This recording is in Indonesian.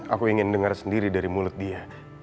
aku ingin dengar sendiri dari mulut dia